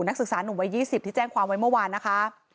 นักศึกษานุ่มวัย๒๐ที่แจ้งความไว้เมื่อวานนะคะ